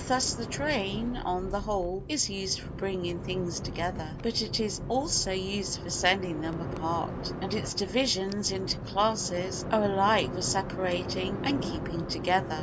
Thus the train, on the whole, is used for bringing things together, but it is also used for sending them apart, and its divisions into classes are alike for separating and keeping together.